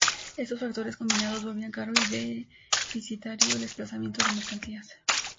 Estos factores, combinados, volvían caro y deficitario el desplazamiento de mercancías.